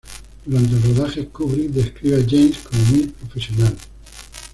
Durante el rodaje, Kubrick describe a James como muy profesional.